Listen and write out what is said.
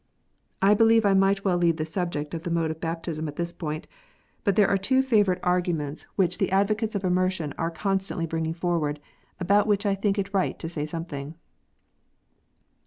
I believe I might well leave the subject of the mode of baptism at this point. But there are two favourite arguments 04 KNOTS UNTIED. which the advocates of immersion are constantly bringing forward, about which I think it right to say something.